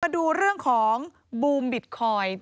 มาดูเรื่องของบูมบิตคอยน์